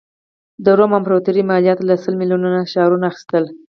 د روم امپراتوري مالیات له سل میلیونه ښاریانو اخیستل.